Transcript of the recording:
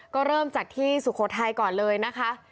ก็เริ่มจากที่สุโขทัยก่อนเลยนะคะ